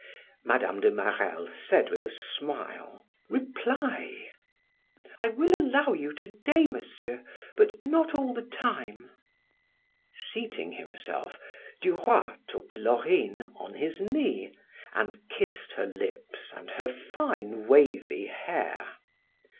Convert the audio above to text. Mme. de Marelle said with a smile: "Reply." "I will allow you to day, Monsieur, but not all the time." Seating himself, Duroy took Laurine upon his knee, and kissed her lips and her fine wavy hair.